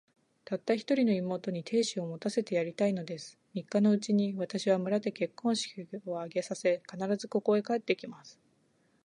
たった一人の妹に、亭主を持たせてやりたいのです。三日のうちに、私は村で結婚式を挙げさせ、必ず、ここへ帰って来ます。